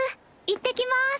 行ってきます。